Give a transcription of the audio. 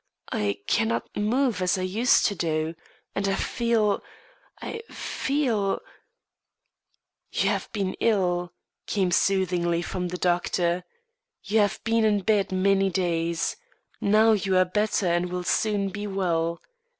"I cannot move as I used to do, and I feel I feel " "You have been ill," came soothingly from the doctor. "You have been in bed many days; now you are better and will soon be well.